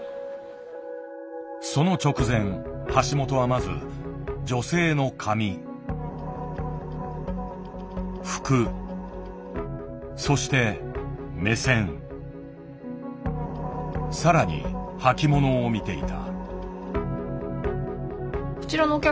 その直前橋本はまず女性の髪服そして目線さらに履き物を見ていた。